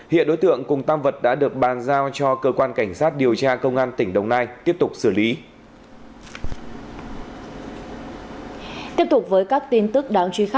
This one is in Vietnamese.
hiện đối tượng cùng tam vật đã được bàn giao cho cơ quan cảnh sát điều tra công an tỉnh đồng nai tiếp tục xử lý